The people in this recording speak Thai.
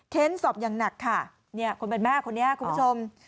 สอบอย่างหนักค่ะเนี่ยคนเป็นแม่คนนี้คุณผู้ชม